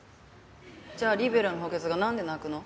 じゃあリベロの補欠がなんで泣くの？